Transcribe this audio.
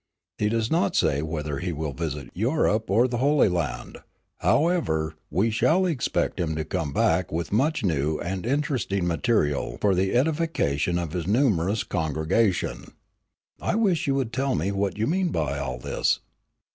He does not say whether he will visit Europe or the Holy Land, however, we shall expect him to come back with much new and interesting material for the edification of his numerous congregation." "I wish you would tell me what you mean by all this."